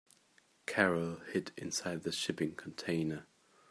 Carol hid inside the shipping container.